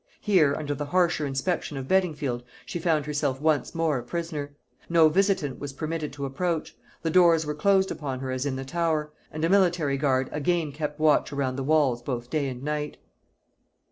Here, under the harsher inspection of Beddingfield, she found herself once more a prisoner. No visitant was permitted to approach; the doors were closed upon her as in the Tower; and a military guard again kept watch around the walls both day and night.